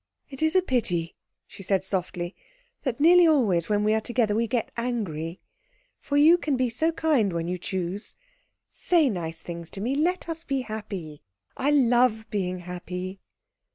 "It is a pity," she said softly, "that nearly always when we are together we get angry, for you can be so kind when you choose. Say nice things to me. Let us be happy. I love being happy."